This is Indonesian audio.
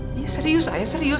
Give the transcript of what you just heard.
iya serius ayah serius